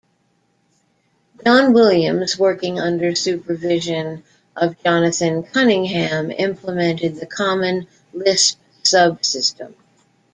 John Williams, working under supervision of Jonathan Cunningham implemented the Common Lisp subsystem.